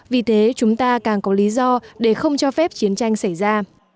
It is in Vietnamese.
vì thế chúng ta càng có lý do để không cho phép chiến tranh xảy ra